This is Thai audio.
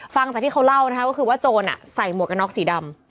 ฟังจากที่เขาเล่านะคะก็คือว่าโจรใส่หมวกกันน็อกสีดำ